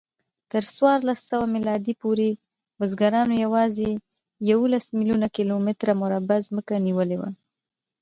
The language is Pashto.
تر څوارلسسوه میلادي پورې بزګرانو یواځې یوولس میلیونه کیلومتره مربع ځمکه نیولې وه.